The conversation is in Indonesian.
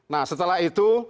nah setelah itu